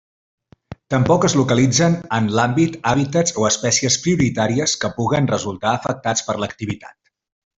Tampoc es localitzen en l'àmbit hàbitats o espècies prioritàries que puguen resultar afectats per l'activitat.